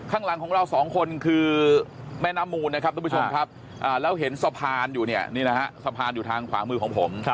ข้างหลังของเราสองคนคือแม่น้ำมูลนะครับทุกผู้ชมครับแล้วเห็นสะพานอยู่เนี่ยนี่นะฮะสะพานอยู่ทางขวามือของผม